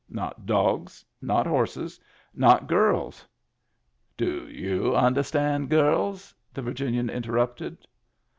Not dogs. Not horses. Not girls." "Do you understand girls?" the Virginian interrupted.